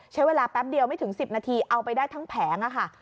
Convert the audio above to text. ใช้เวลาแป๊บเดียวไม่ถึง๑๐นาทีเอาไปได้ทั้งแผงค่ะ